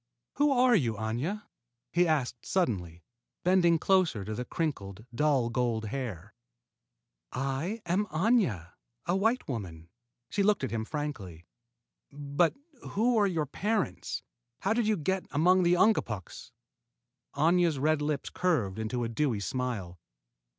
"Who are you, Aña?" he asked suddenly, bending closer to the crinkled, dull gold hair. "I am Aña, a white woman." She looked at him frankly. "But who are your parents, and how did you get among the Ungapuks?" Aña's red lips curved into a dewy smile.